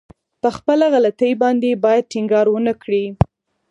په خپله غلطي باندې بايد ټينګار ونه کړي.